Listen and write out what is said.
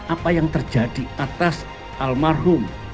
apa yang terjadi atas almarhum